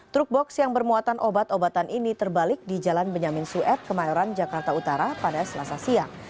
truk box yang bermuatan obat obatan ini terbalik di jalan benyamin sueb kemayoran jakarta utara pada selasa siang